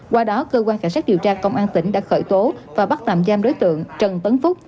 qua đó cơ quan cảnh sát điều tra công an tỉnh đã khởi tố và bắt tạm giam đối tượng trần tấn phúc